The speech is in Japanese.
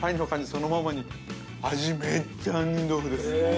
そのままに、味、めっちゃ杏仁豆腐です。